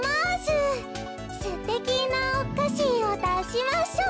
「すてきなおかしをだしましょう！」